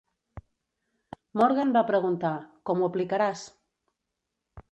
Morgan va preguntar: com ho aplicaràs?